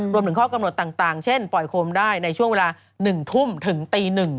รวมถึงข้อกำหนดต่างเช่นปล่อยโคมได้ในช่วงเวลา๑ทุ่มถึงตี๑